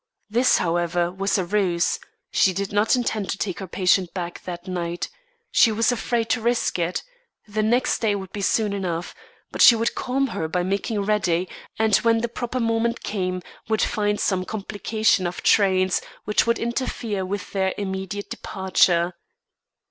This, however, was a ruse. She did not intend to take her patient back that night. She was afraid to risk it. The next day would be soon enough. But she would calm her by making ready, and when the proper moment came, would find some complication of trains which would interfere with their immediate departure.